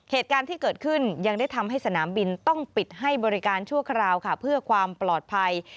เหตุการณ์ที่เกิดขึ้นยังได้ทำให้สนามบินต้องปิดให้บริการชั่วคราวค่ะเพื่อความปลอดภัย